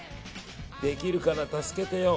できるかな、助けてよ。